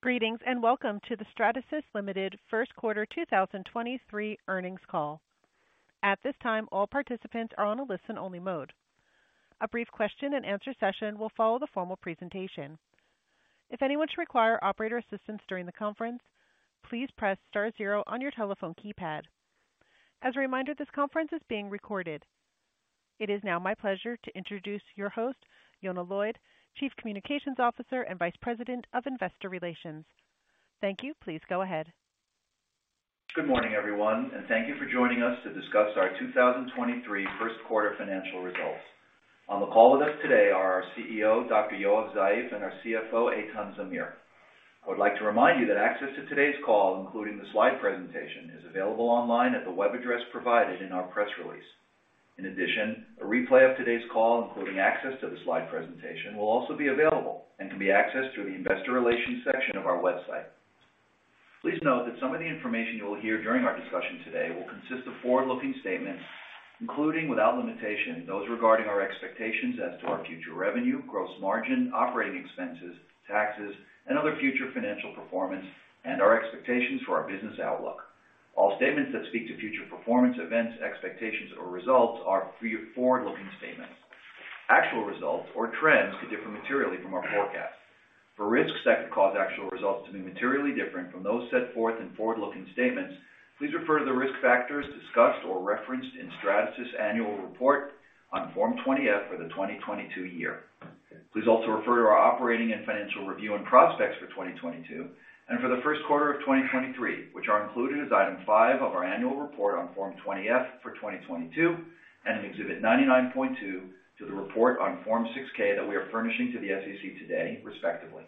Greetings, welcome to the Stratasys Ltd. Q1 2023 earnings call. At this time, all participants are on a listen-only mode. A brief question and answer session will follow the formal presentation. If anyone should require operator assistance during the conference, please press star zero on your telephone keypad. As a reminder, this conference is being recorded. It is now my pleasure to introduce your host, Yonah Lloyd, Chief Communications Officer and Vice President of Investor Relations. Thank you. Please go ahead. Good morning, everyone, and thank you for joining us to discuss our 2023 Q1 financial results. On the call with us today are our CEO, Dr. Yoav Zeif, and our CFO, Eitan Zamir. I would like to remind you that access to today's call, including the slide presentation, is available online at the web address provided in our press release. In addition, a replay of today's call, including access to the slide presentation, will also be available and can be accessed through the investor relations section of our website. Please note that some of the information you will hear during our discussion today will consist of forward-looking statements, including, without limitation, those regarding our expectations as to our future revenue, gross margin, operating expenses, taxes, and other future financial performance, and our expectations for our business outlook. All statements that speak to future performance, events, expectations or results are forward-looking statements. Actual results or trends could differ materially from our forecast. For risks that could cause actual results to be materially different from those set forth in forward-looking statements, please refer to the risk factors discussed or referenced in Stratasys annual report on Form 20-F for the 2022 year. Please also refer to our operating and financial review and prospects for 2022 and for the Q1 of 2023, which are included as item five of our annual report on Form 20-F for 2022, and in Exhibit 99.2 to the report on Form 6-K that we are furnishing to the SEC today, respectively.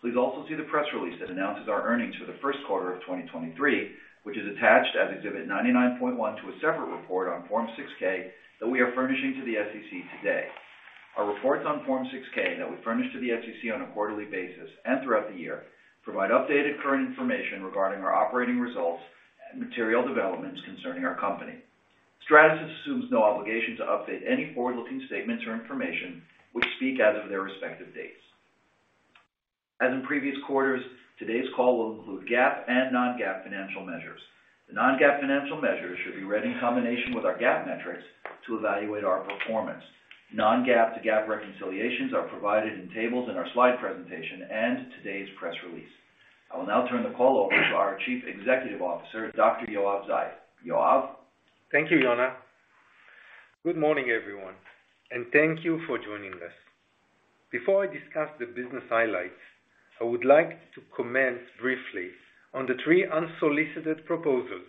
Please also see the press release that announces our earnings for the Q1 of 2023, which is attached as Exhibit 99.1 to a separate report on Form 6-K that we are furnishing to the SEC today. Our reports on Form 6-K that we furnish to the SEC on a quarterly basis and throughout the year provide updated current information regarding our operating results and material developments concerning our company. Stratasys assumes no obligation to update any forward-looking statements or information which speak as of their respective dates. As in previous quarters, today's call will include GAAP and non-GAAP financial measures. The non-GAAP financial measures should be read in combination with our GAAP metrics to evaluate our performance. Non-GAAP to GAAP reconciliations are provided in tables in our slide presentation and today's press release. I will now turn the call over to our Chief Executive Officer, Dr. Yoav Zeif. Yoav? Thank you, Yonah. Good morning, everyone, and thank you for joining us. Before I discuss the business highlights, I would like to comment briefly on the three unsolicited proposals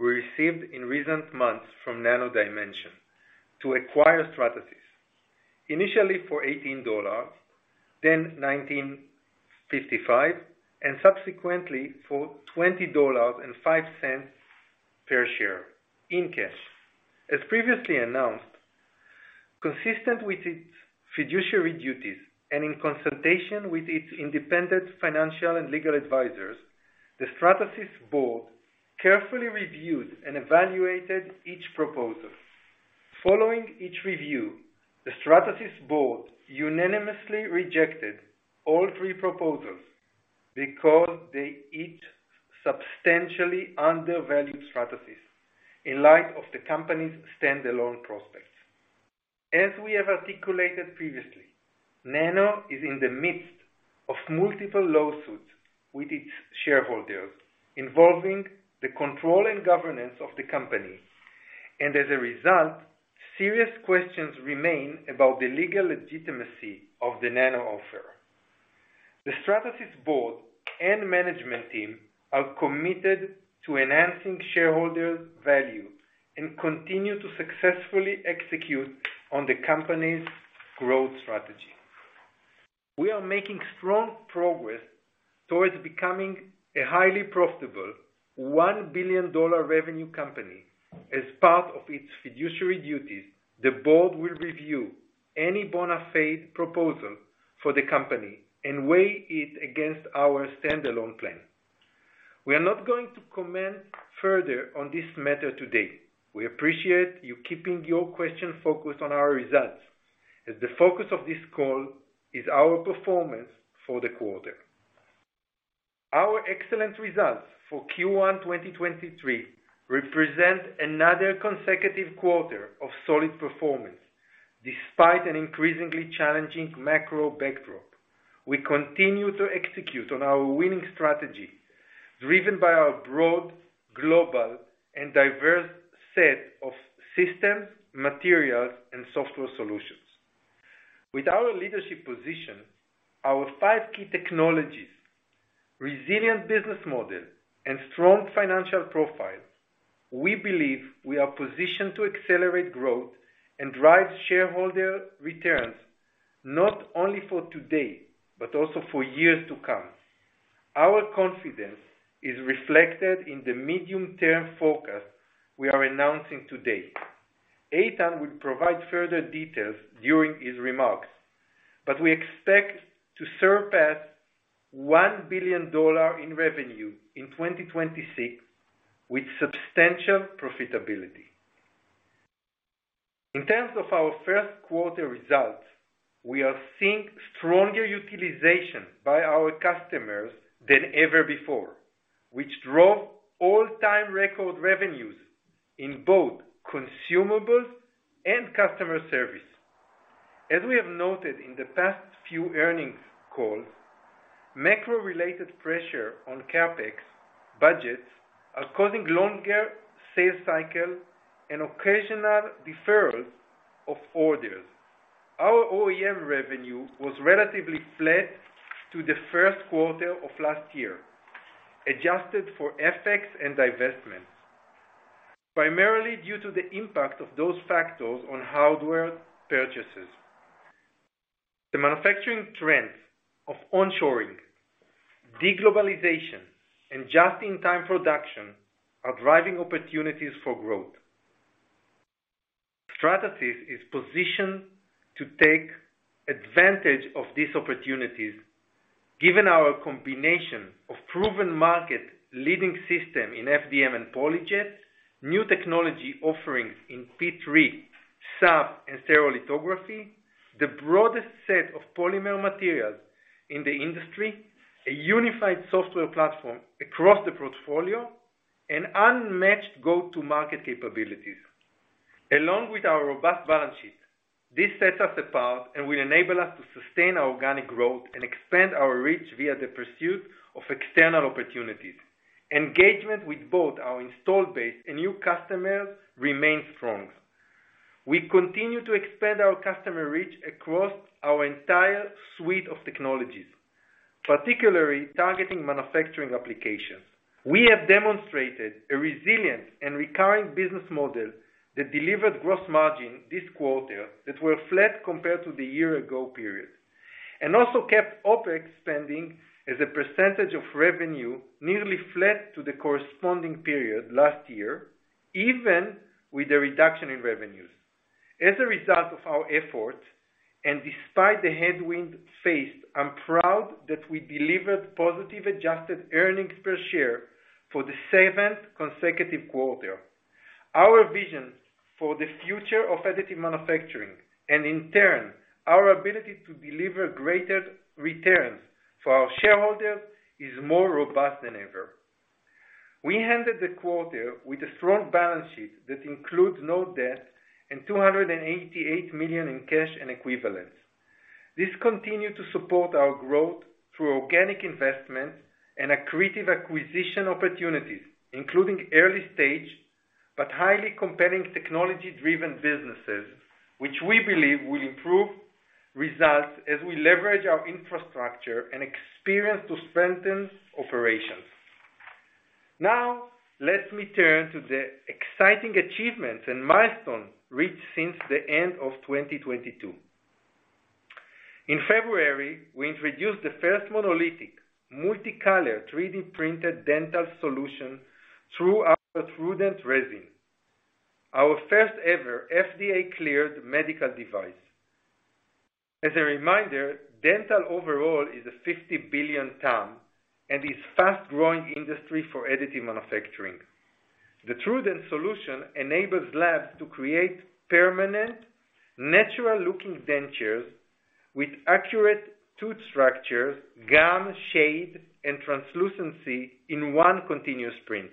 we received in recent months from Nano Dimension to acquire Stratasys. Initially for $18, then $19.55, and subsequently for $20.05 per share in cash. As previously announced, consistent with its fiduciary duties and in consultation with its independent financial and legal advisors, the Stratasys board carefully reviewed and evaluated each proposal. Following each review, the Stratasys board unanimously rejected all three proposals because they each substantially undervalue Stratasys in light of the company's standalone prospects. As we have articulated previously, Nano is in the midst of multiple lawsuits with its shareholders, involving the control and governance of the company. As a result, serious questions remain about the legal legitimacy of the Nano offer. The Stratasys board and management team are committed to enhancing shareholder value and continue to successfully execute on the company's growth strategy. We are making strong progress towards becoming a highly profitable $1 billion revenue company. As part of its fiduciary duties, the board will review any bona fide proposal for the company and weigh it against our standalone plan. We are not going to comment further on this matter today. We appreciate you keeping your question focused on our results, as the focus of this call is our performance for the quarter. Our excellent results for Q1 2023 represent another consecutive quarter of solid performance, despite an increasingly challenging macro backdrop. We continue to execute on our winning strategy, driven by our broad, global, and diverse set of systems, materials, and software solutions. With our leadership position, our five key technologies, resilient business model, and strong financial profile, we believe we are positioned to accelerate growth and drive shareholder returns, not only for today, but also for years to come. Eitan will provide further details during his remarks, but we expect to surpass $1 billion in revenue in 2026 with substantial profitability. In terms of our Q1 results, we are seeing stronger utilization by our customers than ever before, which drove all-time record revenues in both consumables and customer service. As we have noted in the past few earnings calls, macro-related pressure on CapEx budgets are causing longer sales cycles and occasional deferrals of orders. Our OEM revenue was relatively flat to the Q1 of last year, adjusted for FX and divestments, primarily due to the impact of those factors on hardware purchases. The manufacturing trends of on-shoring, de-globalization, and just-in-time production are driving opportunities for growth. Stratasys is positioned to take advantage of these opportunities given our combination of proven market leading system in FDM and PolyJet, new technology offerings in P3, SAF and Stereolithography, the broadest set of polymer materials in the industry, a unified software platform across the portfolio, and unmatched go-to-market capabilities. With our robust balance sheet, this sets us apart and will enable us to sustain our organic growth and expand our reach via the pursuit of external opportunities. Engagement with both our installed base and new customers remains strong. We continue to expand our customer reach across our entire suite of technologies, particularly targeting manufacturing applications. We have demonstrated a resilient and recurring business model that delivered gross margin this quarter that were flat compared to the year ago period. Also kept OpEx spending as a percentage of revenue nearly flat to the corresponding period last year, even with the reduction in revenues. As a result of our efforts, and despite the headwind faced, I'm proud that we delivered positive adjusted earnings per share for the seventh consecutive quarter. Our vision for the future of additive manufacturing, and in turn, our ability to deliver greater returns for our shareholders, is more robust than ever. We ended the quarter with a strong balance sheet that includes no debt and $288 million in cash and equivalents. This continued to support our growth through organic investments and accretive acquisition opportunities, including early stage, but highly compelling technology-driven businesses, which we believe will improve results as we leverage our infrastructure and experience to strengthen operations. Let me turn to the exciting achievements and milestones reached since the end of 2022. In February, we introduced the first monolithic, multicolor 3D-printed dental solution through our TrueDent resin, our first ever FDA-cleared medical device. As a reminder, dental overall is a $50 billion TAM and is fast-growing industry for additive manufacturing. The TrueDent solution enables labs to create permanent, natural-looking dentures with accurate tooth structures, gum, shade, and translucency in one continuous print.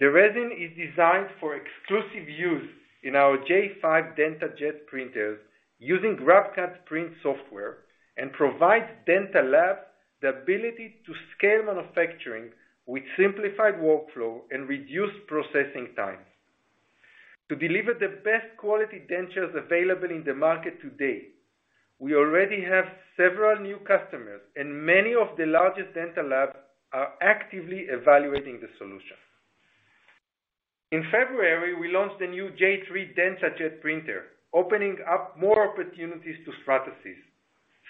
The resin is designed for exclusive use in our J5 DentaJet printers using GrabCAD Print software and provides dental labs the ability to scale manufacturing with simplified workflow and reduced processing times. To deliver the best quality dentures available in the market today, we already have several new customers, and many of the largest dental labs are actively evaluating the solution. In February, we launched the new J3 DentaJet printer, opening up more opportunities to Stratasys,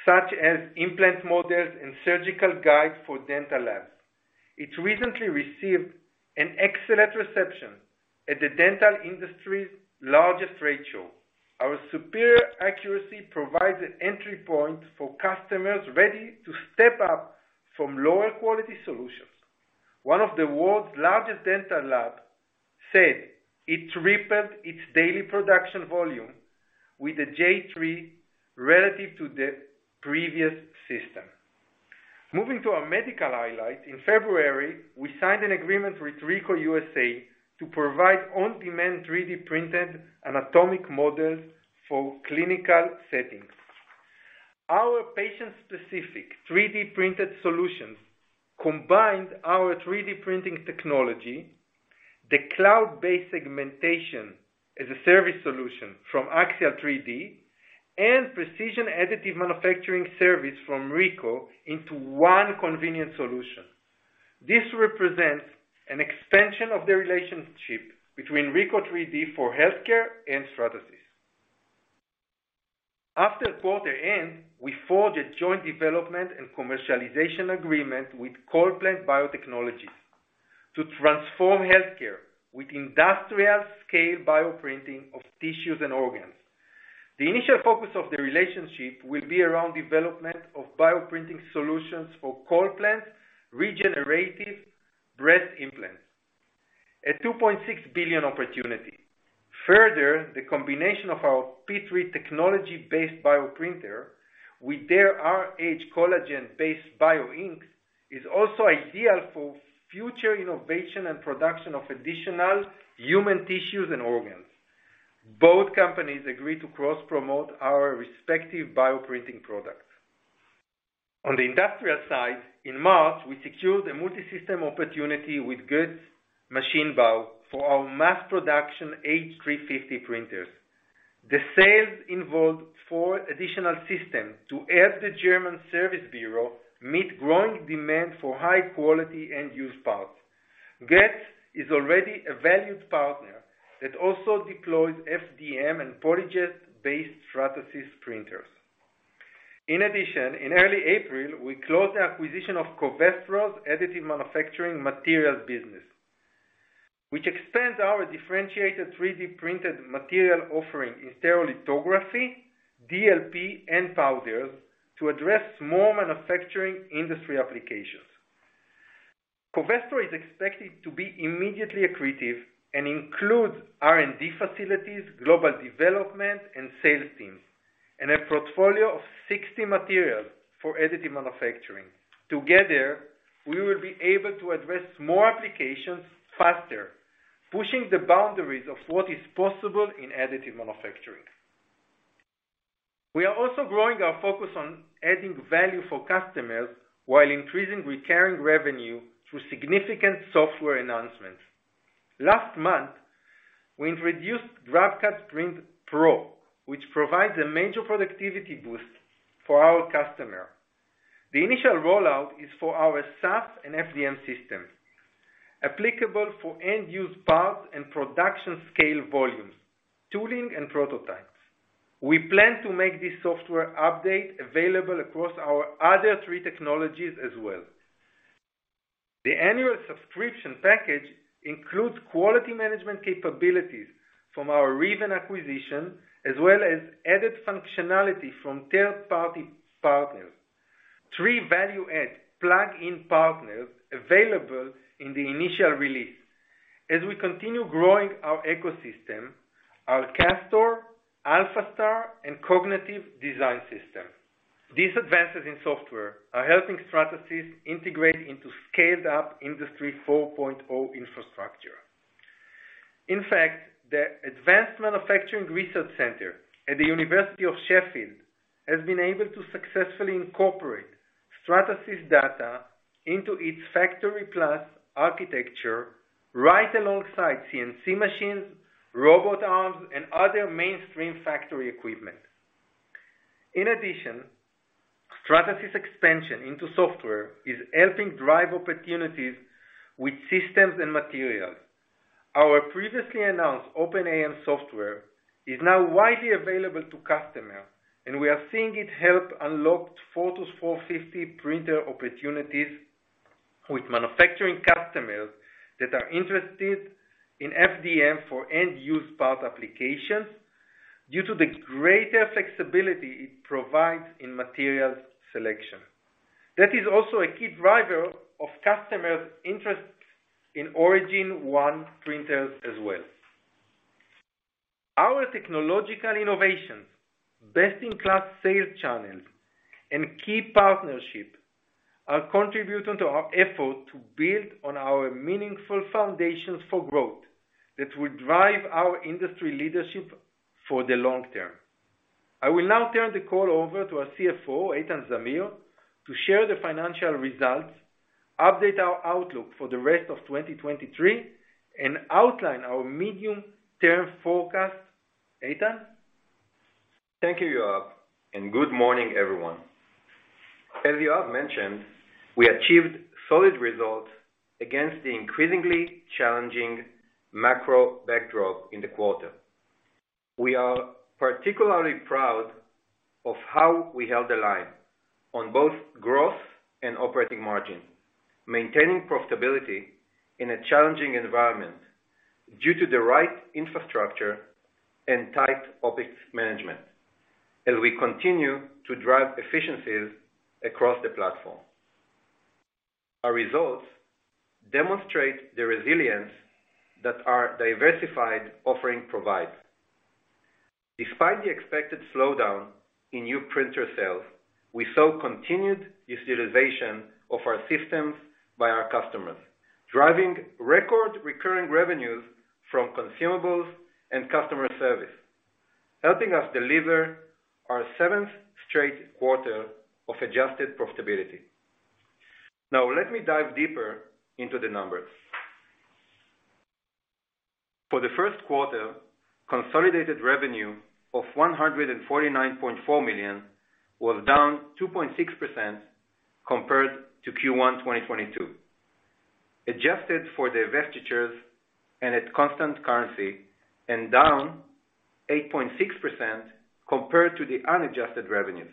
such as implant models and surgical guides for dental labs. It recently received an excellent reception at the dental industry's largest ratio. Our superior accuracy provides an entry point for customers ready to step up from lower quality solutions. One of the world's largest dental lab said it tripled its daily production volume with a J3 relative to the previous system. Moving to our medical highlight. In February, we signed an agreement with RICOH USA to provide on-demand 3D-printed anatomic models for clinical settings. Our patient-specific 3D printed solutions combined our 3D printing technology, the cloud-based segmentation as a service solution from Axial3D, and precision additive manufacturing service from RICOH into one convenient solution. This represents an expansion of the relationship between RICOH 3D for healthcare and Stratasys. After quarter end, we forged a joint development and commercialization agreement with CollPlant Biotechnologies to transform healthcare with industrial-scale bioprinting of tissues and organs. The initial focus of the relationship will be around development of bioprinting solutions for cold plants, regenerative breast implants, a $2.6 billion opportunity. Further, the combination of our P3 technology-based bioprinter with their rhCollagen-based bioink is also ideal for future innovation and production of additional human tissues and organs. Both companies agreed to cross-promote our respective bioprinting products. On the industrial side, in March, we secured a multi-system opportunity with Götz Maschinenbau for our mass production H350 printers. The sales involved four additional systems to help the German service bureau meet growing demand for high quality end use parts. Götz is already a valued partner that also deploys FDM and PolyJet based Stratasys printers. In addition, in early April, we closed the acquisition of Covestro's additive manufacturing materials business, which expands our differentiated 3D printed material offering in Stereolithography, DLP, and powders to address more manufacturing industry applications. Covestro is expected to be immediately accretive and includes R&D facilities, global development, and sales teams, and a portfolio of 60 materials for additive manufacturing. Together, we will be able to address more applications faster, pushing the boundaries of what is possible in additive manufacturing. We are also growing our focus on adding value for customers while increasing recurring revenue through significant software announcements. Last month, we introduced GrabCAD Print Pro, which provides a major productivity boost for our customer. The initial rollout is for our SaaS and FDM systems, applicable for end use parts and production scale volumes, tooling and prototypes. We plan to make this software update available across our other three technologies as well. The annual subscription package includes quality management capabilities from our Riven acquisition, as well as added functionality from third-party partners. Three value add plugin partners available in the initial release. As we continue growing our ecosystem, our Castor, AlphaStar, and Cognitive Design System. These advances in software are helping Stratasys integrate into scaled up Industry 4.0 infrastructure. In fact, the Advanced Manufacturing Research Centre at the University of Sheffield has been able to successfully incorporate Stratasys data into its Factory+ architecture right alongside CNC machines, robot arms, and other mainstream factory equipment. In addition, Stratasys expansion into software is helping drive opportunities with systems and materials. Our previously announced OpenAM software is now widely available to customers, and we are seeing it help unlock Fortus 450mc printer opportunities with manufacturing customers that are interested in FDM for end use part applications due to the greater flexibility it provides in materials selection. That is also a key driver of customers' interest in Origin One printers as well. Our technological innovations, best-in-class sales channels, and key partnership are contributing to our effort to build on our meaningful foundations for growth that will drive our industry leadership for the long term. I will now turn the call over to our CFO, Eitan Zamir, to share the financial results, update our outlook for the rest of 2023, and outline our medium-term forecast. Eitan? Thank you, Yoav, and good morning, everyone. As Yoav mentioned, we achieved solid results against the increasingly challenging macro backdrop in the quarter. We are particularly proud of how we held the line on both growth and operating margin, maintaining profitability in a challenging environment due to the right infrastructure and tight OpEx management as we continue to drive efficiencies across the platform. Our results demonstrate the resilience that our diversified offering provides. Despite the expected slowdown in new printer sales, we saw continued utilization of our systems by our customers, driving record recurring revenues from consumables and customer service, helping us deliver our seventh straight quarter of adjusted profitability. Now, let me dive deeper into the numbers. For the Q1, consolidated revenue of $149.4 million was down 2.6% compared to Q1 2022, adjusted for the vestitures and at constant currency, and down 8.6% compared to the unadjusted revenues.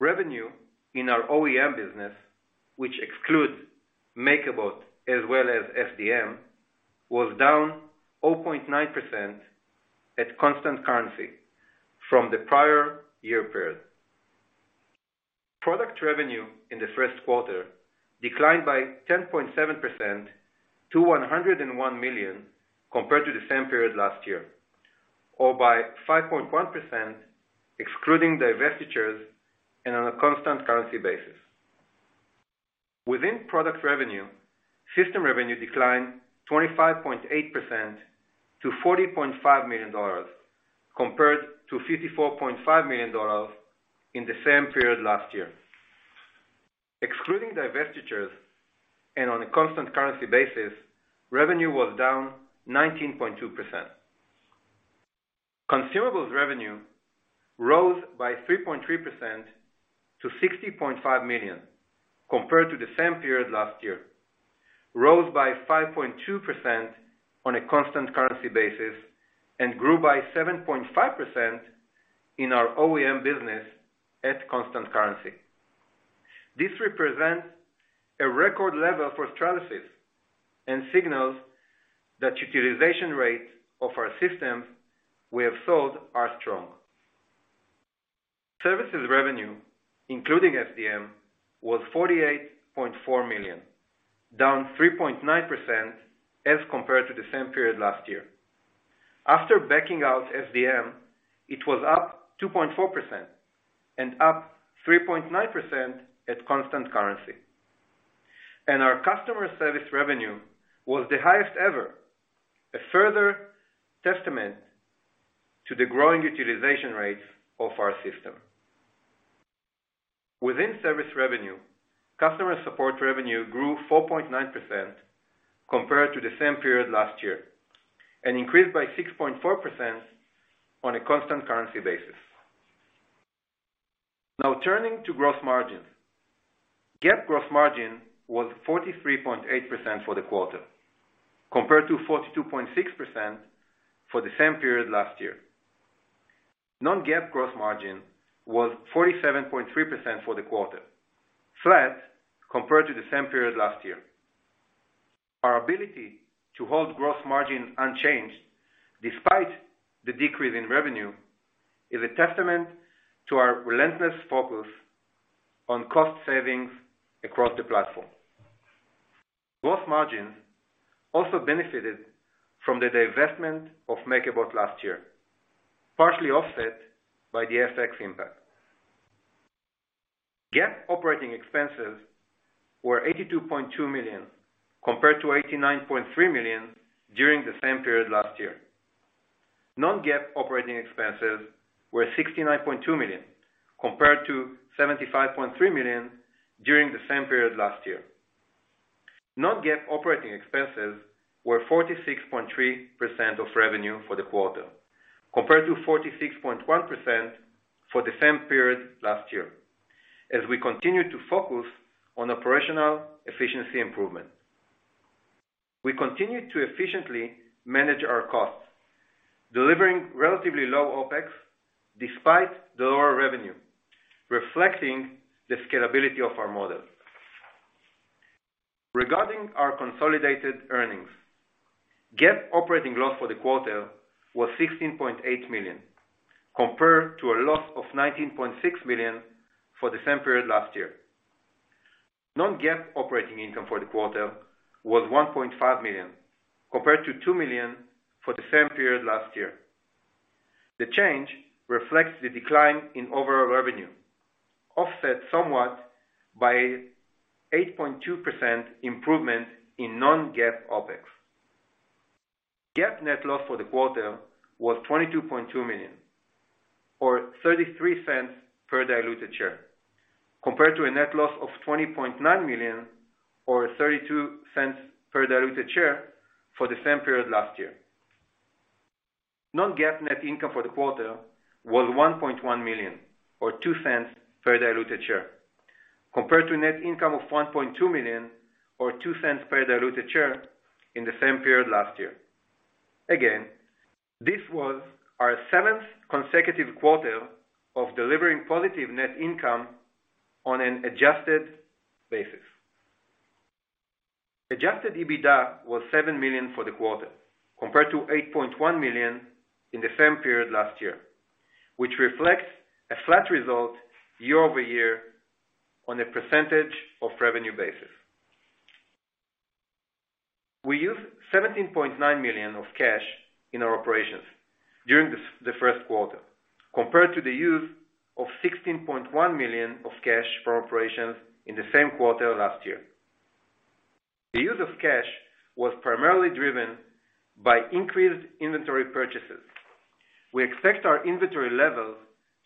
Revenue in our OEM business, which excludes MakerBot as well as FDM, was down 0.9% at constant currency from the prior year period. Product revenue in the Q1 declined by 10.7% to $101 million compared to the same period last year, or by 5.1% excluding divestitures and on a constant currency basis. Within product revenue, system revenue declined 25.8% to $40.5 million, compared to $54.5 million in the same period last year. Excluding divestitures and on a constant currency basis, revenue was down 19.2%. Consumables revenue rose by 3.3% to $60.5 million, compared to the same period last year, rose by 5.2% on a constant currency basis, and grew by 7.5% in our OEM business at constant currency. This represents a record level for Stratasys and signals that utilization rates of our systems we have sold are strong. Services revenue, including FDM, was $48.4 million, down 3.9% as compared to the same period last year. After backing out FDM, it was up 2.4% and up 3.9% at constant currency. Our customer service revenue was the highest ever, a further testament to the growing utilization rates of our system. Within service revenue, customer support revenue grew 4.9% compared to the same period last year, increased by 6.4% on a constant currency basis. Turning to gross margin. GAAP gross margin was 43.8% for the quarter, compared to 42.6% for the same period last year. Non-GAAP gross margin was 47.3% for the quarter, flat compared to the same period last year. Our ability to hold gross margin unchanged despite the decrease in revenue is a testament to our relentless focus on cost savings across the platform. Gross margin also benefited from the divestment of MakerBot last year, partially offset by the FX impact. GAAP operating expenses were $82.2 million, compared to $89.3 million during the same period last year. Non-GAAP operating expenses were $69.2 million, compared to $75.3 million during the same period last year. Non-GAAP operating expenses were 46.3% of revenue for the quarter, compared to 46.1% for the same period last year, as we continue to focus on operational efficiency improvement. We continue to efficiently manage our costs, delivering relatively low OpEx despite the lower revenue, reflecting the scalability of our model. Regarding our consolidated earnings, GAAP operating loss for the quarter was $16.8 million, compared to a loss of $19.6 million for the same period last year. Non-GAAP operating income for the quarter was $1.5 million, compared to $2 million for the same period last year. The change reflects the decline in overall revenue, offset somewhat by 8.2% improvement in non-GAAP OpEx. GAAP net loss for the quarter was $22.2 million or $0.33 per diluted share, compared to a net loss of $20.9 million or $0.32 per diluted share for the same period last year. Non-GAAP net income for the quarter was $1.1 million or $0.02 per diluted share, compared to net income of $1.2 million or $0.02 per diluted share in the same period last year. This was our seventh consecutive quarter of delivering positive net income on an adjusted basis. Adjusted EBITDA was $7 million for the quarter, compared to $8.1 million in the same period last year, which reflects a flat result year-over-year on a percentage of revenue basis. We used $17.9 million of cash in our operations during the Q1, compared to the use of $16.1 million of cash for operations in the same quarter last year. The use of cash was primarily driven by increased inventory purchases. We expect our inventory levels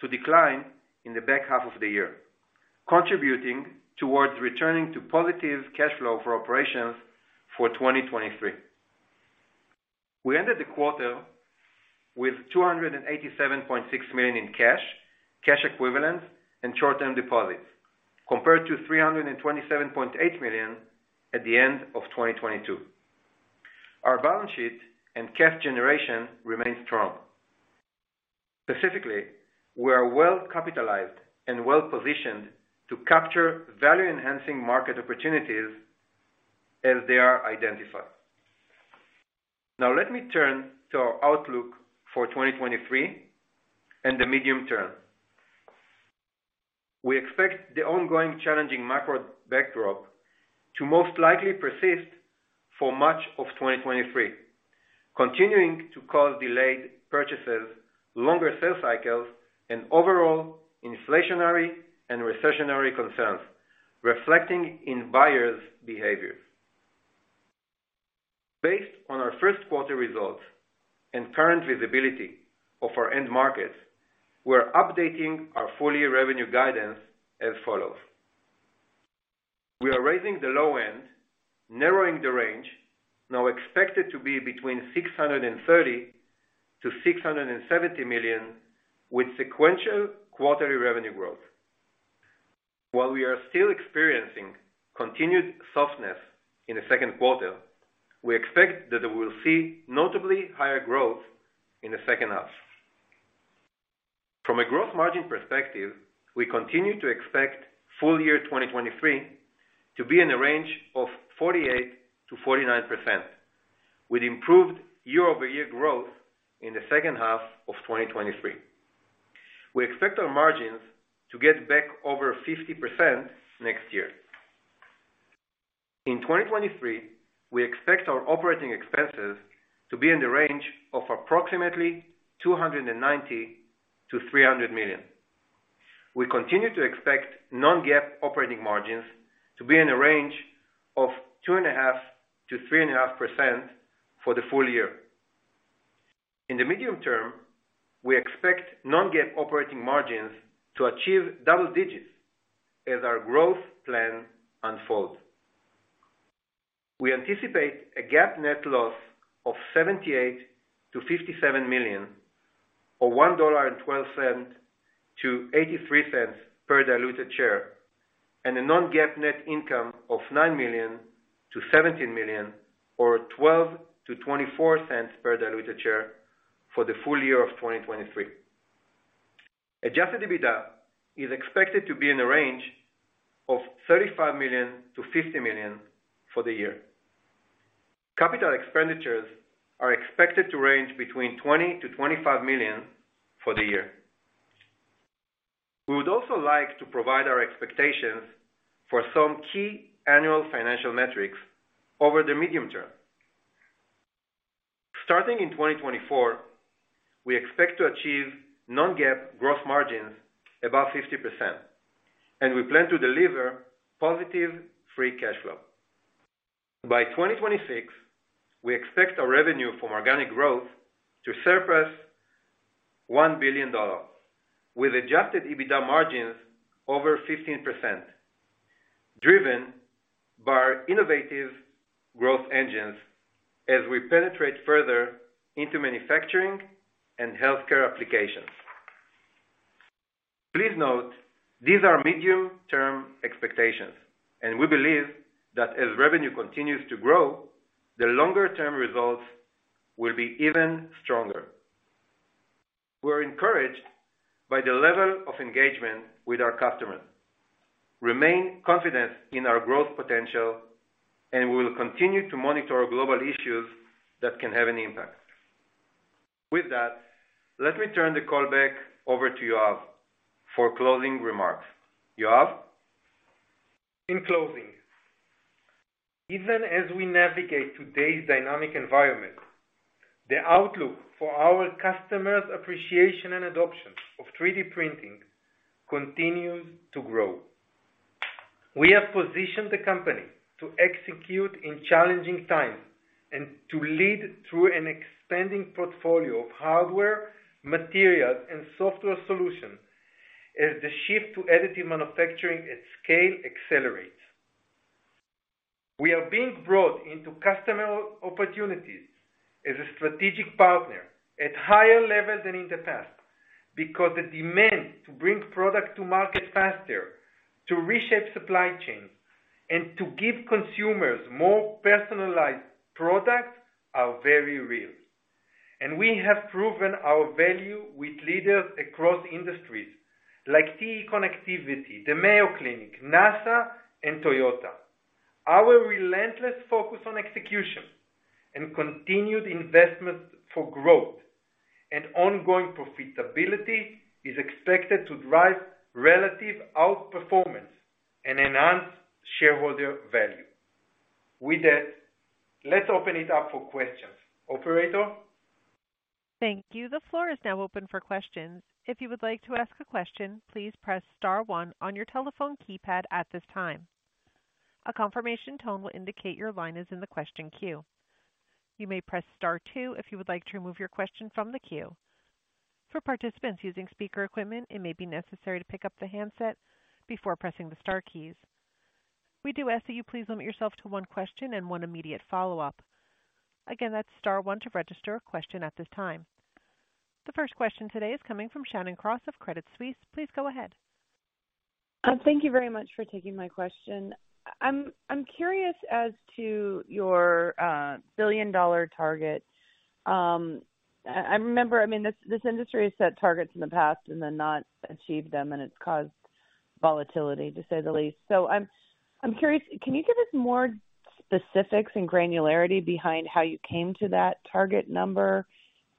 to decline in the back half of the year, contributing towards returning to positive cash flow for operations for 2023. We ended the quarter with $287.6 million in cash equivalents, and short-term deposits, compared to $327.8 million at the end of 2022. Our balance sheet and cash generation remains strong. Specifically, we are well capitalized and well positioned to capture value-enhancing market opportunities as they are identified. Let me turn to our outlook for 2023 and the medium term. We expect the ongoing challenging macro backdrop to most likely persist for much of 2023, continuing to cause delayed purchases, longer sales cycles, and overall inflationary and recessionary concerns, reflecting in buyers' behaviors. Based on our Q1 results and current visibility of our end markets, we're updating our full-year revenue guidance as follows. We are raising the low end, narrowing the range, now expected to be between $630 to 670 million with sequential quarterly revenue growth. While we are still experiencing continued softness in the Q2, we expect that we will see notably higher growth in the second half. From a gross margin perspective, we continue to expect full year 2023 to be in the range of 48% to 49%, with improved year-over-year growth in the second half of 2023. We expect our margins to get back over 50% next year. In 2023, we expect our operating expenses to be in the range of approximately $290 to 300 million. We continue to expect non-GAAP operating margins to be in a range of 2.5% to 3.5% for the full year. In the medium term, we expect non-GAAP operating margins to achieve double digits as our growth plan unfolds. We anticipate a GAAP net loss of $78 to 57 million, or $1.12 to $0.83 per diluted share, and a non-GAAP net income of $9 to 17 million or $0.12 to $0.24 per diluted share for the full year of 2023. Adjusted EBITDA is expected to be in the range of $35 to 50 million for the year. Capital expenditures are expected to range between $20 to 25 million for the year. We would also like to provide our expectations for some key annual financial metrics over the medium term. Starting in 2024, we expect to achieve non-GAAP gross margins above 50%, and we plan to deliver positive free cash flow. By 2026, we expect our revenue from organic growth to surpass $1 billion, with adjusted EBITDA margins over 15%, driven by our innovative growth engines as we penetrate further into manufacturing and healthcare applications. Please note these are medium-term expectations and we believe that as revenue continues to grow, the longer-term results will be even stronger. We're encouraged by the level of engagement with our customers, remain confident in our growth potential, and we will continue to monitor global issues that can have an impact. With that, let me turn the call back over to Yoav for closing remarks. Yoav? In closing, even as we navigate today's dynamic environment, the outlook for our customers' appreciation and adoption of 3D printing continues to grow. We have positioned the company to execute in challenging times and to lead through an expanding portfolio of hardware, materials, and software solutions as the shift to additive manufacturing at scale accelerates. We are being brought into customer opportunities as a strategic partner at higher levels than in the past because the demand to bring product to market faster, to reshape supply chains, and to give consumers more personalized products are very real. We have proven our value with leaders across industries like TE Connectivity, the Mayo Clinic, NASA, and Toyota. Our relentless focus on execution and continued investments for growth and ongoing profitability is expected to drive relative outperformance and enhance shareholder value. With that, let's open it up for questions. Operator? Thank you. The floor is now open for questions. If you would like to ask a question, please press star one on your telephone keypad at this time. A confirmation tone will indicate your line is in the question queue. You may press star two if you would like to remove your question from the queue. For participants using speaker equipment, it may be necessary to pick up the handset before pressing the star keys. We do ask that you please limit yourself to one question and one immediate follow-up. Again, that's star one to register a question at this time. The first question today is coming from Shannon Cross of Credit Suisse. Please go ahead. Thank you very much for taking my question. I'm curious as to your billion-dollar target. I remember, I mean, this industry has set targets in the past and then not achieved them, and it's caused volatility to say the least. I'm curious, can you give us more specifics and granularity behind how you came to that target number?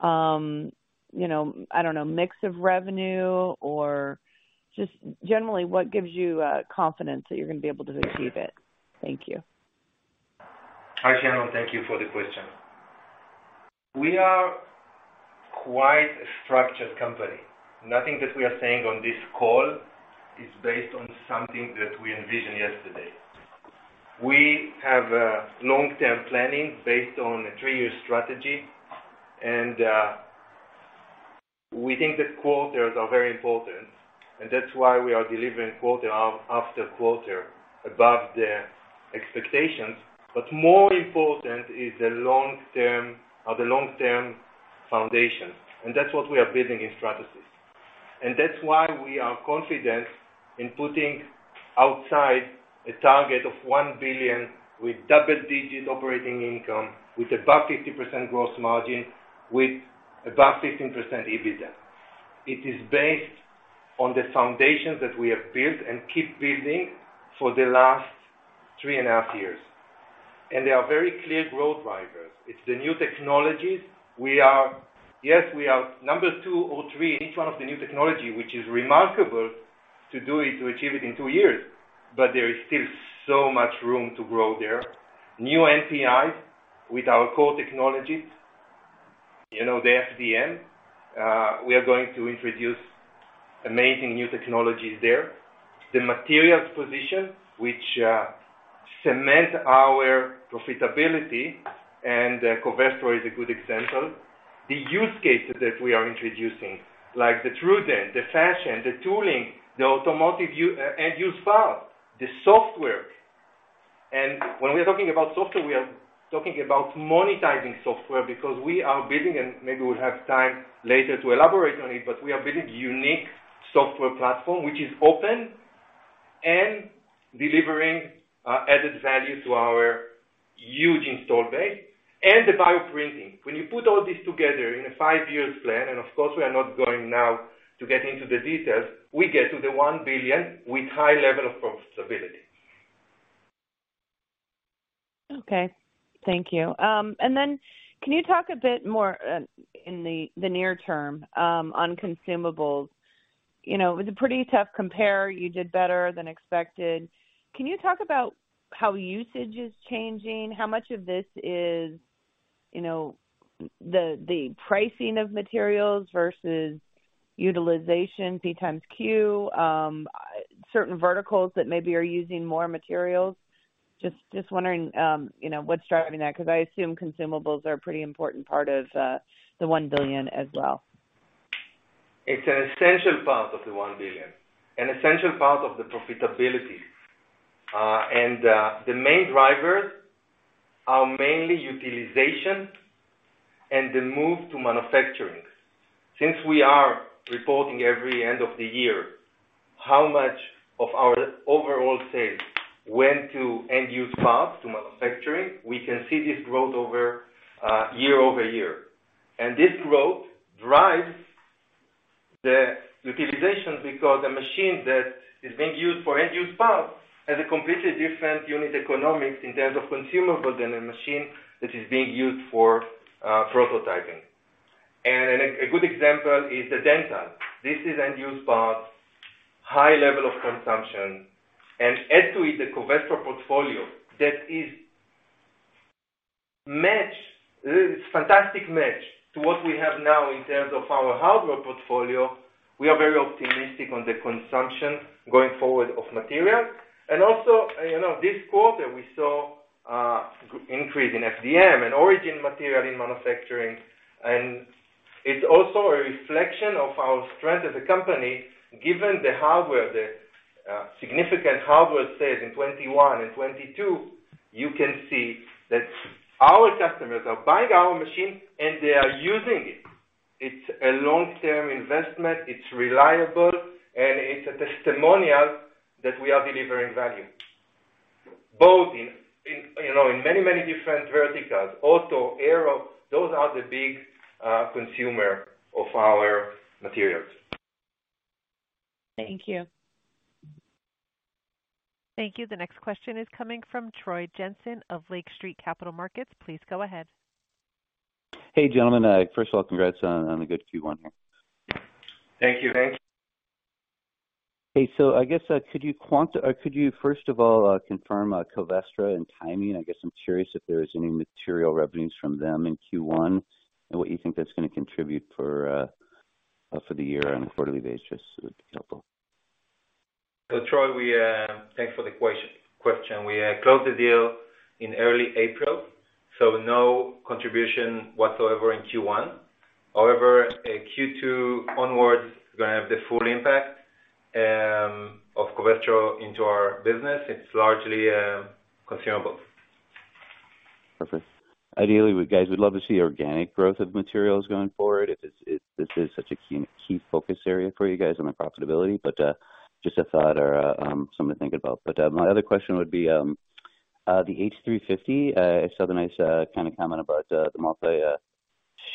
You know, I don't know, mix of revenue or just generally what gives you confidence that you're gonna be able to achieve it? Thank you. Hi, Shannon. Thank you for the question. We are quite a structured company. Nothing that we are saying on this call is based on something that we envisioned yesterday. We have long-term planning based on a three year strategy. We think that quarters are very important, and that's why we are delivering quarter after quarter above the expectations. More important is the long-term foundation, and that's what we are building in Stratasys. That's why we are confident in putting outside a target of $1 billion with double-digit operating income, with above 50% gross margin, with above 15% EBITDA. It is based on the foundations that we have built and keep building for the last three and a half years. There are very clear growth drivers. It's the new technologies. Yes, we are number two or three in each one of the new technology, which is remarkable to do it, to achieve it in two years. There is still so much room to grow there. New NPIs with our core technologies. You know, the FDM, we are going to introduce amazing new technologies there. The materials position, which, cement our profitability, and Covestro is a good example. The use cases that we are introducing, like the TrueDent, the fashion, the tooling, the automotive end use part, the software. When we're talking about software, we are talking about monetizing software because we are building, and maybe we'll have time later to elaborate on it, but we are building unique software platform, which is open and delivering added value to our huge install base and the bioprinting. When you put all this together in a five-year plan, of course, we are not going now to get into the details, we get to the $1 billion with high level of profitability. Okay. Thank you. Then can you talk a bit more in the near term on consumables? You know, it was a pretty tough compare. You did better than expected. Can you talk about how usage is changing? How much of this is, you know, the pricing of materials versus utilization, D times Q, certain verticals that maybe are using more materials? Just wondering, you know, what's driving that, because I assume consumables are pretty important part of the $1 billion as well. It's an essential part of the $1 billion, an essential part of the profitability. The main drivers are mainly utilization and the move to manufacturing. Since we are reporting every end of the year, how much of our overall sales went to end use parts to manufacturing, we can see this growth year-over-year. This growth drives the utilization because a machine that is being used for end use parts has a completely different unit economics in terms of consumable than a machine that is being used for prototyping. A good example is the dental. This is end use part, high level of consumption. Add to it the Covestro portfolio that is fantastic match to what we have now in terms of our hardware portfolio. We are very optimistic on the consumption going forward of materials. Also, you know, this quarter we saw increase in FDM and Origin material in manufacturing. It's also a reflection of our strength as a company, given the hardware, significant hardware sales in 2021 and 2022, you can see that our customers are buying our machine and they are using it. It's a long-term investment, it's reliable, and it's a testimonial that we are delivering value, both in many different verticals, auto, aero, those are the big consumer of our materials. Thank you. Thank you. The next question is coming from Troy Jensen of Lake Street Capital Markets. Please go ahead. Hey, gentlemen. First of all, congrats on the good Q1 here. Thank you. Thank you. I guess, could you first of all, confirm Covestro and timing? I guess I'm curious if there's any material revenues from them in Q1 and what you think that's gonna contribute for the year on a quarterly basis. Just helpful. Troy, Thanks for the question. We closed the deal in early April, no contribution whatsoever in Q1. However, Q2 onwards, we're gonna have the full impact of Covestro into our business. It's largely consumables. Perfect. Ideally, we guys would love to see organic growth of materials going forward if this is such a key focus area for you guys on the profitability. Just a thought or something to think abou my other question would be the H350. I saw the nice kind of comment about the multi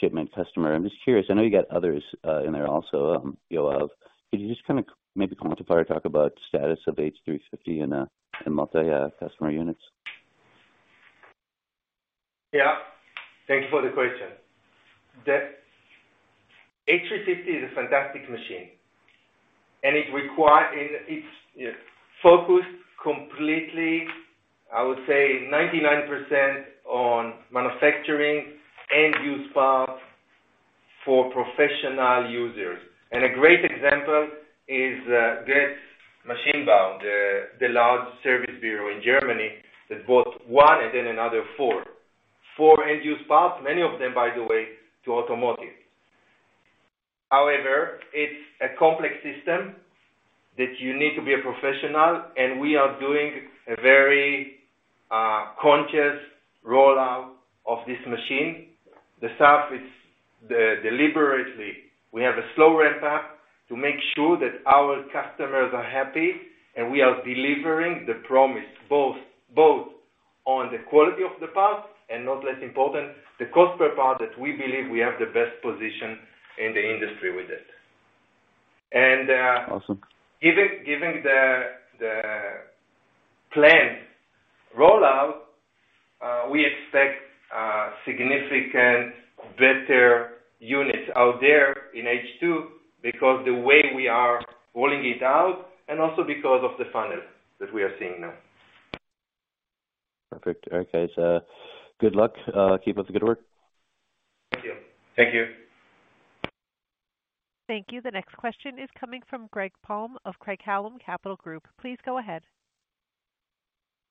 shipment customer i'm just curious, I know you got others in there also, Yoav. Could you just kind of maybe quantify or talk about status of H350 and multi customer units? Thank you for the question. The H350 is a fantastic machine. It's focused completely, I would say, 99% on manufacturing end use parts for professional users. A great example is Götz Maschinenbau, the large service bureau in Germany that bought one and then another four. Four end use parts, many of them, by the way, to automotive. However, it's a complex system that you need to be a professional, and we are doing a very conscious rollout of this machine. The staff is deliberately. We have a slow ramp up to make sure that our customers are happy and we are delivering the promise both on the quality of the parts, and not less important, the cost per part that we believe we have the best position in the industry with it. Awesome. Given the plan rollout, we expect significant better units out there in H2 because the way we are rolling it out and also because of the funnel that we are seeing now. Perfect. Okay. Good luck. Keep up the good work. Thank you. Thank you. Thank you. The next question is coming from Greg Palm of Craig-Hallum Capital Group. Please go ahead.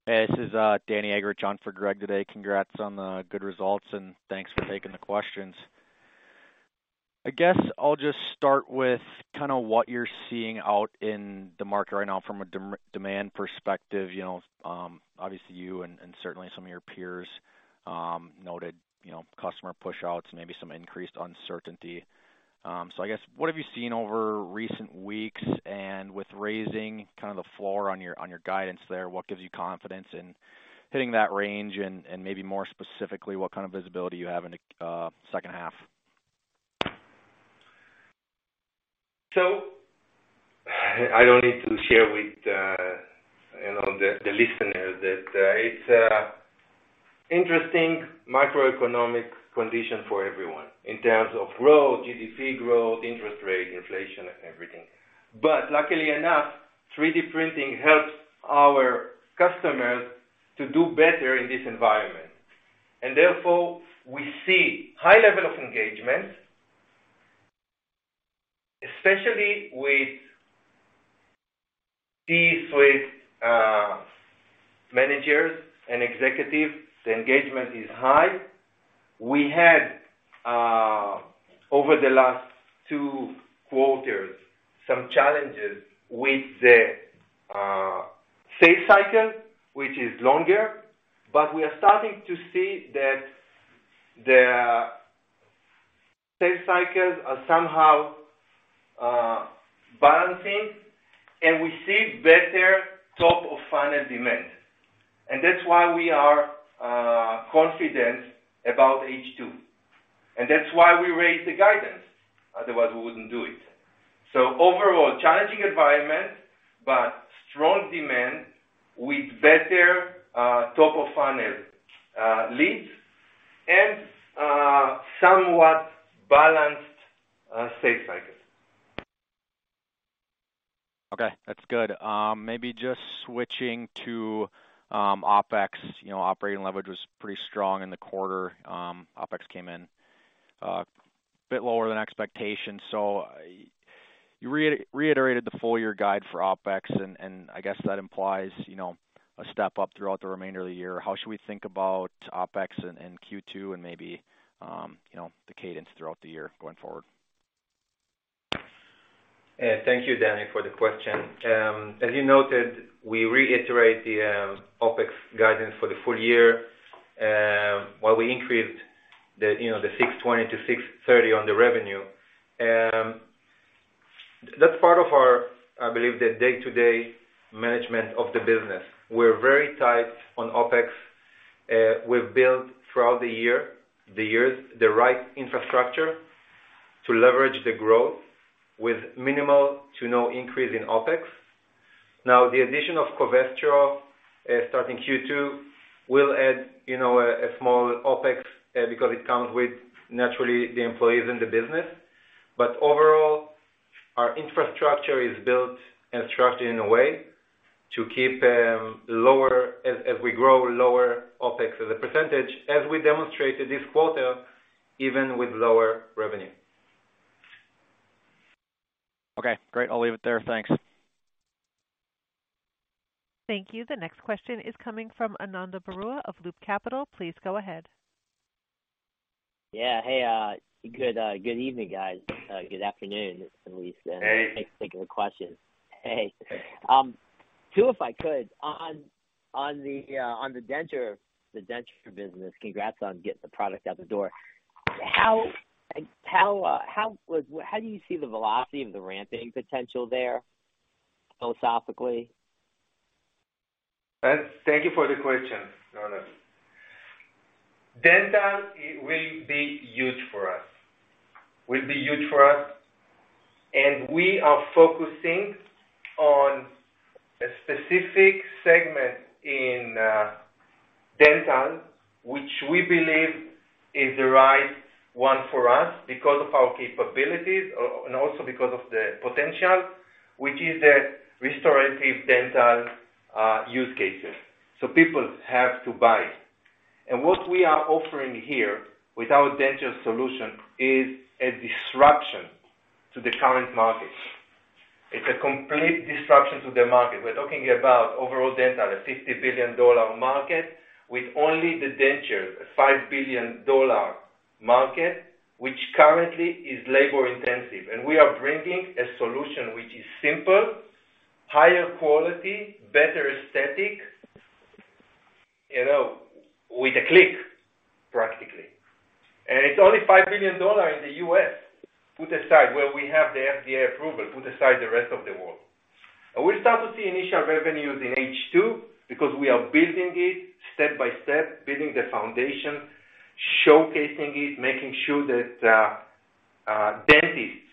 Hey, this is Daniel Eggerichs, John for Greg Palm today. Congrats on the good results and thanks for taking the questions. I guess I'll just start with kind of what you're seeing out in the market right now from a demand perspective you know, obviously you and certainly some of your peers, noted, you know, customer pushouts, maybe some increased uncertainty. I guess, what have you seen over recent weeks? With raising kind of the floor on your, on your guidance there, what gives you confidence in hitting that range? Maybe more specifically, what kind of visibility you have in the second half? I don't need to share with the listeners that it's an interesting macroeconomic condition for everyone in terms of growth, GDP growth, interest rate, inflation, everything. Luckily enough, 3D printing helps our customers to do better in this environment. Therefore, we see high level of engagement. Especially with C-suite managers and executives. The engagement is high. We had over the last two quarters some challenges with the sales cycle, which is longer, but we are starting to see that the sales cycles are somehow balancing, and we see better top of funnel demand. That's why we are confident about H2. That's why we raised the guidance. Otherwise, we wouldn't do it. Overall, challenging environment, but strong demand with better top of funnel leads and somewhat balanced sales cycles. Okay, that's good. Maybe just switching to OpEx. You know, operating leverage was pretty strong in the quarter. OpEx came in a bit lower than expectations. You reiterated the full year guide for OpEx and I guess that implies, you know, a step up throughout the remainder of the year how should we think about OpEx in Q2 and maybe, you know, the cadence throughout the year going forward? Thank you, Danny, for the question. As you noted, we reiterate the OpEx guidance for the full year, while we increased the, you know, $620 to 630 million on the revenue. That's part of our, I believe, the day-to-day management of the business. We're very tight on OpEx. We've built throughout the years, the right infrastructure to leverage the growth with minimal to no increase in OpEx. Now, the addition of Covestro, starting Q2 will add, you know, a small OpEx, because it comes with naturally the employees in the business. Overall, our infrastructure is built and structured in a way to keep lower as we grow, lower OpEx as a percentage, as we demonstrated this quarter, even with lower revenue. Okay, great. I'll leave it there. Thanks. Thank you. The next question is coming from Ananda Baruah of Loop Capital. Please go ahead. Yeah. Hey, good evening, guys. Good afternoon at least. Hey. Thanks for taking the question. Hey. Two, if I could. On the denture business, congrats on getting the product out the door. How do you see the velocity of the ramping potential there philosophically? Thank you for the question, Ananda. Dental will be huge for us. Will be huge for us, we are focusing on a specific segment in dental, which we believe is the right one for us because of our capabilities and also because of the potential, which is a restorative dental use cases people have to buy. What we are offering here with our denture solution is a disruption to the current market. It's a complete disruption to the market we're talking about overall dental, a $50 billion market, with only the denture, a $5 billion market, which currently is labor-intensive. We are bringing a solution which is simple, higher quality, better aesthetic, you know, with a click, practically. It's only $5 billion in the U.S., put aside where we have the FDA approval, put aside the rest of the world. We'll start to see initial revenues in H2 because we are building it step by step, building the foundation, showcasing it, making sure that dentists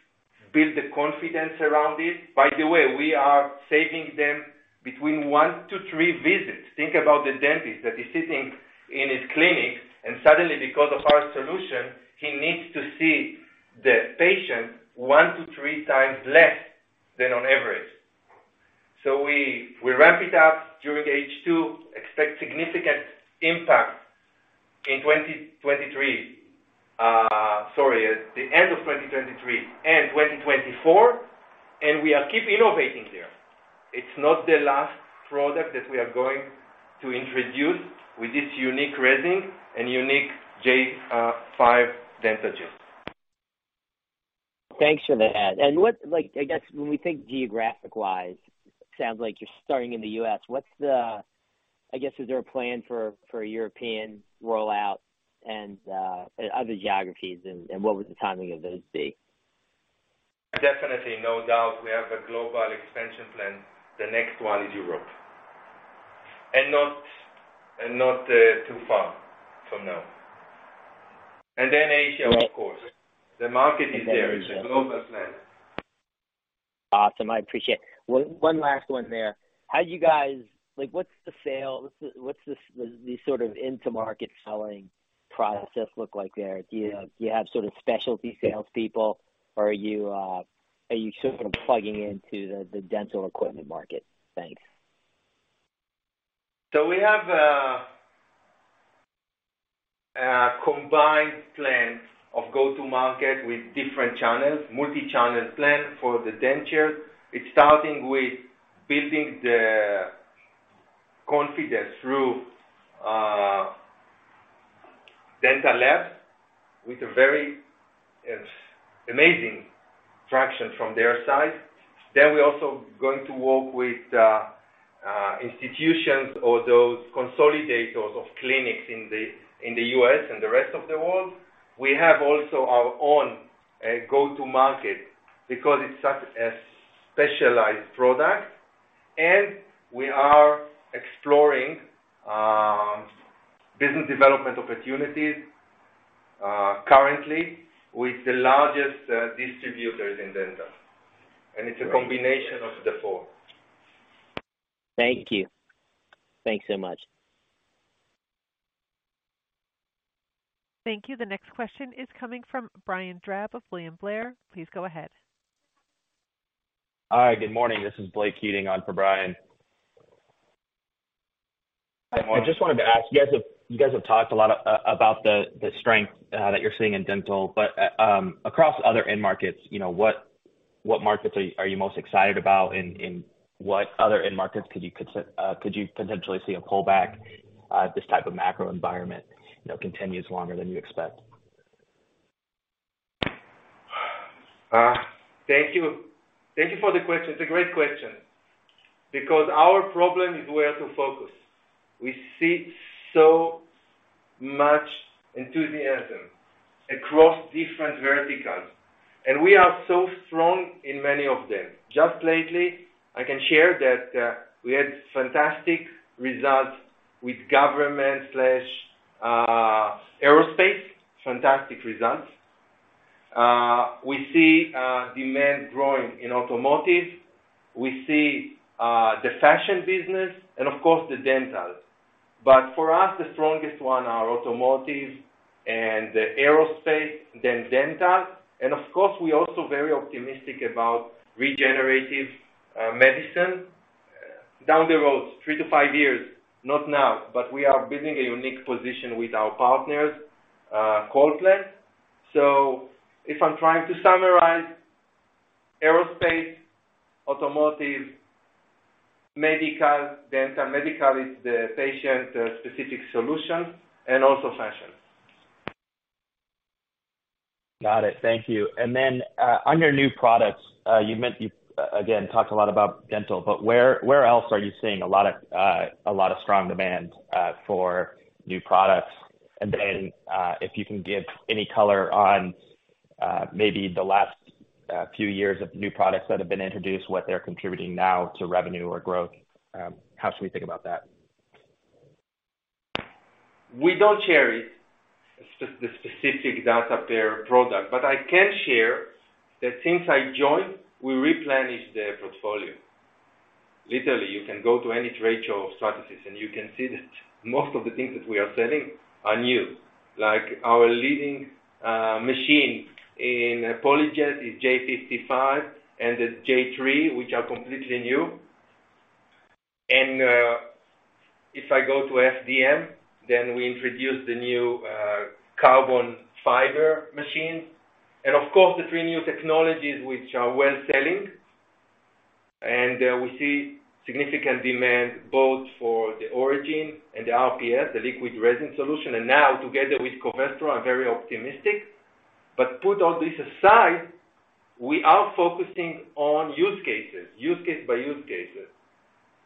build the confidence around it. By the way, we are saving them between one to three visits. Think about the dentist that is sitting in his clinic, and suddenly, because of our solution, he needs to see the patient one to three times less than on average. We ramp it up during H2, expect significant impact in 2023. Sorry, at the end of 2023 and 2024, and we are keep innovating there. It's not the last product that we are going to introduce with this unique resin and unique J5 DentaJet. Thanks for that. Like, I guess, when we think geographic-wise, sounds like you're starting in the U.S. I guess, is there a plan for a European rollout and other geographies, and what would the timing of those be? Definitely, no doubt, we have a global expansion plan. The next one is Europe. Not too far from now. Then Asia, of course. The market is there. It's a global plan. Awesome. I appreciate. One last one there. How do you guys, like, what's the sale? What's the sort of into-market selling process look like there? Do you have sort of specialty salespeople or are you sort of plugging into the dental equipment market? Thanks. We have a combined plan of go-to market with different channels, multi-channel plan for the dentures. It's starting with building the confidence through dental labs with a very amazing traction from their side. Then we're also going to work with institutions or those consolidators of clinics in the U.S. and the rest of the world. We have also our own go-to market because it's such a specialized product, we are exploring business development opportunities currently with the largest distributors in dental. It's a combination of the four. Thank you. Thanks so much. Thank you. The next question is coming from Brian Drab of William Blair. Please go ahead. Hi, good morning. This is Blake Keating on for Brian. Good morning. I just wanted to ask, you guys have talked a lot about the strength that you're seeing in dental, but across other end markets, you know, what markets are you most excited about, and what other end markets could you potentially see a pullback, if this type of macro environment, you know, continues longer than you expect? Thank you. Thank you for the question. It's a great question. Our problem is where to focus. We see so much enthusiasm across different verticals, and we are so strong in many of them. Just lately, I can share that we had fantastic results with government/aerospace. Fantastic results. We see demand growing in automotive. We see the fashion business and of course, the dental. For us, the strongest one are automotive and aerospace, then dental. Of course, we're also very optimistic about regenerative medicine. Down the road, three to five years, not now, but we are building a unique position with our partners, Colplant. If I'm trying to summarize, aerospace, automotive, Medical, dental medical is the patient specific solution and also fashion. Got it. Thank you. Then, on your new products, you again talked a lot about dental, but where else are you seeing a lot of strong demand for new products? Then, if you can give any color on maybe the last few years of new products that have been introduced, what they're contributing now to revenue or growth, how should we think about that? We don't share the specific data per product, but I can share that since I joined, we replenished the portfolio. Literally, you can go to any trade show of Stratasys, and you can see that most of the things that we are selling are new. Like our leading machine in PolyJet is J55 and the J3, which are completely new. If I go to FDM, then we introduce the new carbon fiber machine. Of course, the three new technologies which are well selling. We see significant demand both for the Origin and the RPS, the liquid resin solution now together with Covestro, I'm very optimistic. Put all this aside, we are focusing on use cases, use case by use cases.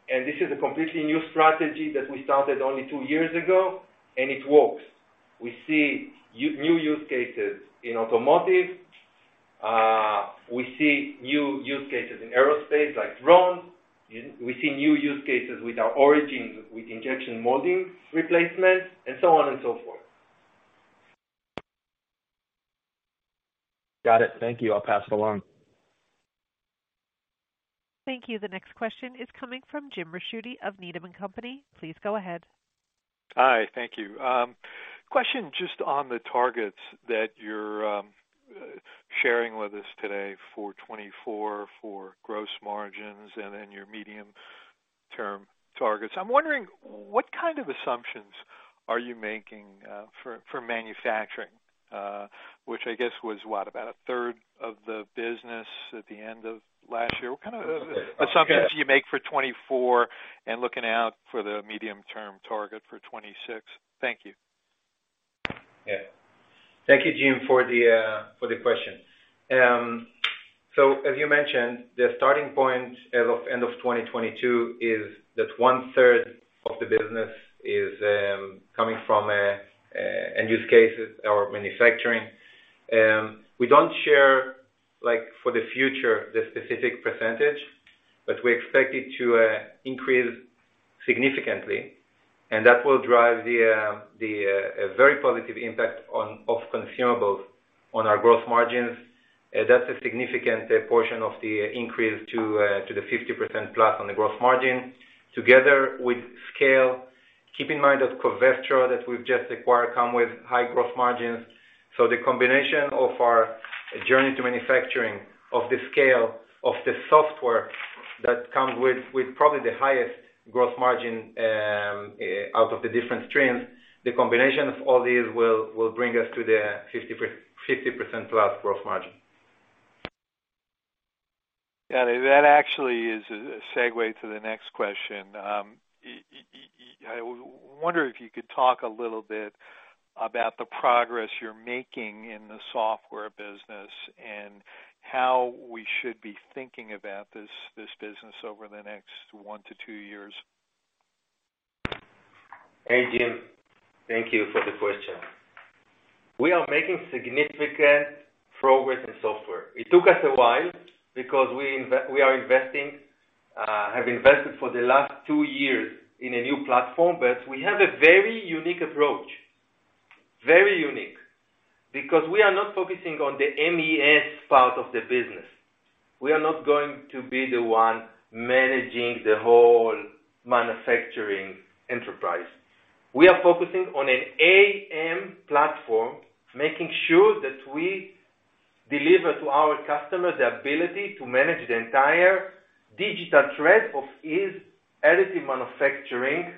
This is a completely new strategy that we started only two years ago, and it works. We see new use cases in automotive. We see new use cases in aerospace like drones. We see new use cases with our Origin One, with injection molding replacements and so on and so forth. Got it. Thank you. I'll pass it along. Thank you. The next question is coming from Jim Ricciuti of Needham & Company. Please go ahead. Hi. Thank you. Question just on the targets that you're sharing with us today for 2024 for gross margins and then your medium term targets. I'm wondering what kind of assumptions are you making for manufacturing? Which I guess was what? About a third of the business at the end of last year. Okay. Yeah. Assumptions you make for 2024 and looking out for the medium term target for 2026? Thank you. Yeah. Thank you, Jim, for the question. As you mentioned, the starting point as of end of 2022 is that 1/3 of the business is coming from end use cases or manufacturing. We don't share, like, for the future, the specific percentage, but we expect it to increase significantly, and that will drive a very positive impact on, of consumables on our gross margins. That's a significant portion of the increase to the 50% plus on the gross margin together with scale. Keep in mind that Covestro that we've just acquired come with high growth margins. The combination of our journey to manufacturing of the scale of the software that comes with probably the highest gross margin, out of the different streams, the combination of all these will bring us to the 50% plus gross margin. Yeah, that actually is a segue to the next question. I wonder if you could talk a little bit about the progress you're making in the software business and how we should be thinking about this business over the next one to two years. Hey, Jim. Thank you for the question. We are making significant progress in software. It took us a while because we are investing, have invested for the last two years in a new platform. We have a very unique approach. Very unique, because we are not focusing on the MES part of the business. We are not going to be the one managing the whole manufacturing enterprise. We are focusing on an AM platform, making sure that we deliver to our customers the ability to manage the entire digital thread of his additive manufacturing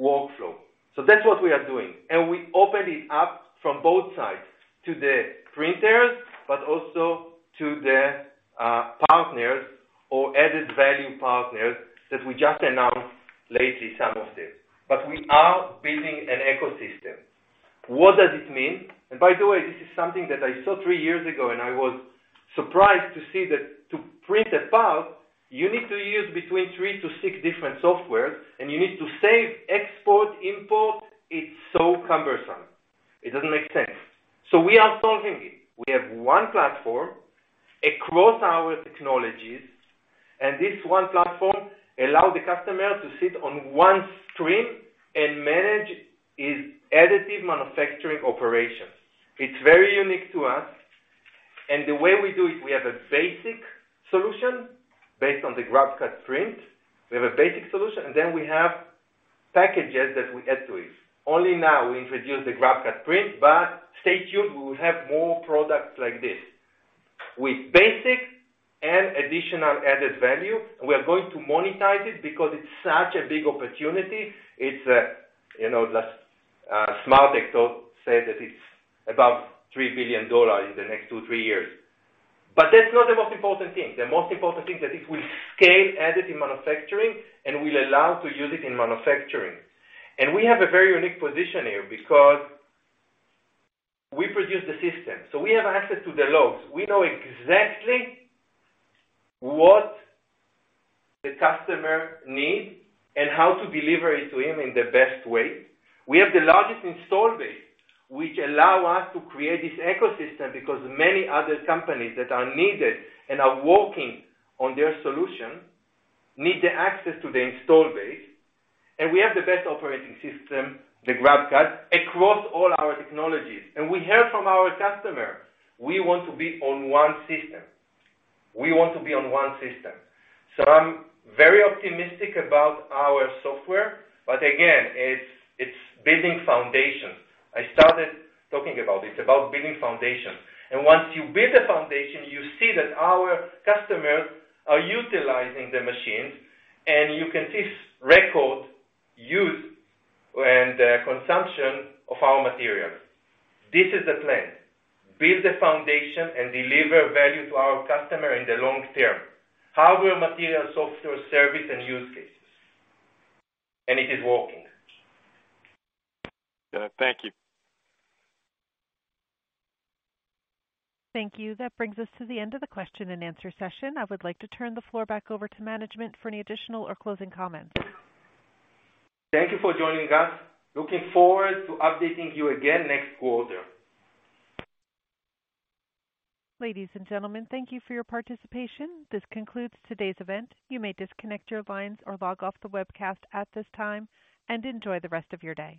workflow. That's what we are doing we open it up from both sides to the printers, but also to the partners or added value partners that we just announced lately, some of this. We are building an ecosystem. What does it mean? By the way, this is something that I saw three years ago, and I was surprised to see that to print a part, you need to use between three to six different softwares, and you need to save, export, import. It's so cumbersome. It doesn't make sense. We are solving it. We have one platform across our technologies, and this one platform allow the customer to sit on one screen and manage his additive manufacturing operations. It's very unique to us. The way we do it, we have a basic solution based on the GrabCAD Print. We have a basic solution, and then we have packages that we add to it. Only now we introduce the GrabCAD Print, but stay tuned, we will have more products like this. With basic and additional added value, we are going to monetize it because it's such a big opportunity. It's, you know, SmarTech though said that it's above $3 billion in the next two, three years. That's not the most important thing. The most important thing that it will scale additive manufacturing and will allow to use it in manufacturing. We have a very unique position here because we produce the system, so we have access to the logs. We know exactly what the customer need and how to deliver it to him in the best way. We have the largest install base, which allow us to create this ecosystem because many other companies that are needed and are working on their solution need the access to the install base, and we have the best operating system, the GrabCAD, across all our technologies. We heard from our customers, we want to be on one system. I'm very optimistic about our software, but again, it's building foundation. I started talking about it, about building foundation. Once you build a foundation, you see that our customers are utilizing the machines, and you can see record use and consumption of our materials. This is the plan. Build the foundation and deliver value to our customer in the long term. Hardware, material, software, service and use cases. It is working. Good. Thank you. Thank you. That brings us to the end of the question and answer session. I would like to turn the floor back over to management for any additional or closing comments. Thank you for joining us. Looking forward to updating you again next quarter. Ladies and gentlemen, thank you for your participation. This concludes today's event. You may disconnect your lines or log off the webcast at this time, and enjoy the rest of your day.